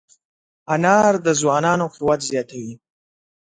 انار د ځوانانو قوت زیاتوي.